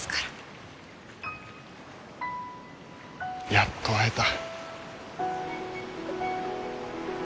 やっと会えた。